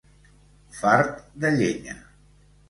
Fart de llenya.